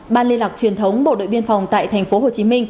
ban liên lạc truyền thống bộ đội biên phòng tại tp hcm